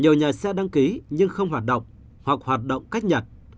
nhiều nhà xe đăng ký nhưng không hoạt động hoặc hoạt động cách nhật